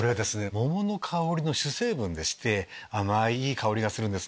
桃の香りの主成分でして甘いいい香りがするんです。